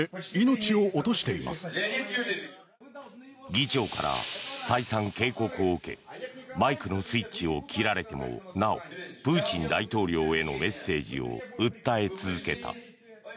議長から再三、警告を受けマイクのスイッチを切られてもなおプーチン大統領へのメッセージを訴え続けた。